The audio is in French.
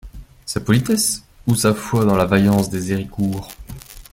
Sa politesse ou sa foi dans la vaillance des Héricourt?